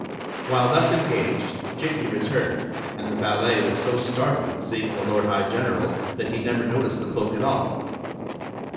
While thus engaged, Jikki returned, and the valet was so startled at seeing the lord high general that he never noticed the cloak at all.